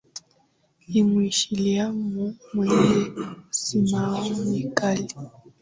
i mwisilamu mwenye msimamo mkali